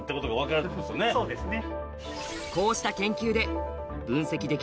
そうですね。